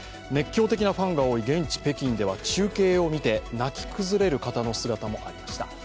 熱狂的なファンが多い現地・北京では中継を見て、泣き崩れる方の姿もありました。